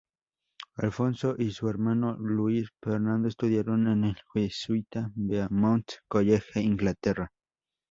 Alfonso y su hermano Luis Fernando estudiaron en el jesuita Beaumont College, Inglaterra.